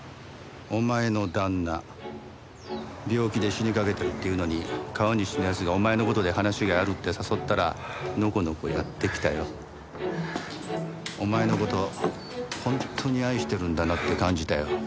お前の旦那病気で死にかけてるっていうのに川西の奴がお前の事で話があるって誘ったらのこのこやって来たよ。お前の事本当に愛してるんだなって感じたよ。